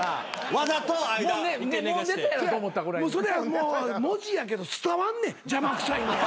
もう文字やけど伝わんねん邪魔くさいのが。